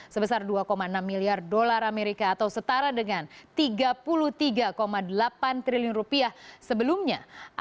sebesar dua enam miliar dolar amerika atau setara dengan tiga puluh tiga delapan triliun rupiah sebelumnya